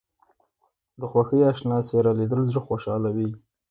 د خوښۍ اشنا څېره لیدل زړه خوشحالوي